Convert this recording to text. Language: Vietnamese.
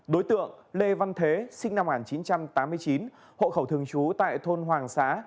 đối tượng lê văn thế sinh năm một nghìn chín trăm tám mươi chín hộ khẩu thường trú tại thôn hoàng xá